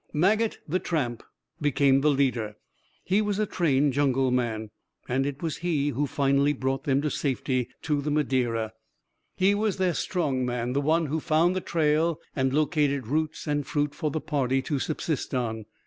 Maget, the tramp, became the leader. He was a trained jungle man, and it was he who finally brought them safely to the Madeira. He was their strong man, the one who found the trail and located roots and fruit for the party to subsist on.